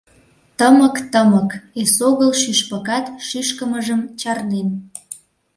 Тымык-тымык, эсогыл шӱшпыкат шӱшкымыжым чарнен.